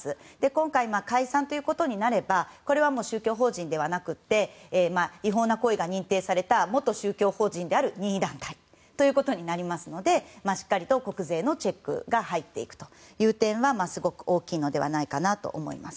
今回、解散ということになればもう宗教法人ではなくて違法な行為が認定された元宗教法人である任意団体ということになりますのでしっかりと国税のチェックが入っていくという点はすごく大きいのではないかと思います。